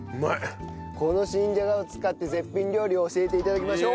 この新じゃがを使って絶品料理を教えて頂きましょう。